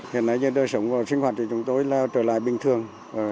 hiện nay như đời sống và sinh hoạt thì chúng tôi là trở lại bình thường